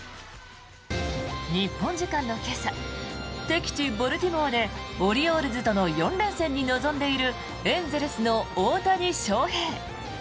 日本時間の今朝敵地ボルティモアでオリオールズとの４連戦に臨んでいるエンゼルスの大谷翔平。